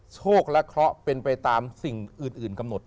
โชคและเคราะห์เป็นไปตามสิ่งอื่นกำหนด